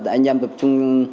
anh em tập trung